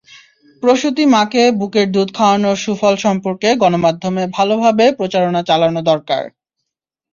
প্রসূতি মাকে বুকের দুধ খাওয়ানোর সুফল সম্পর্কে গণমাধ্যমে ভালোভাবে প্রচারণা চালানো দরকার।